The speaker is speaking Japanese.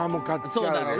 そうだろうね。